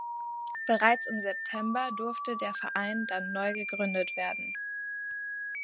Bereits im September durfte der Verein dann neu gegründet werden.